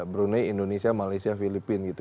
brunei indonesia malaysia filipina